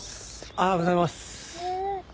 おはようございます。